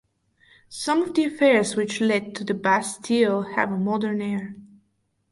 Some of the affairs which led to the Bastille have a modern air.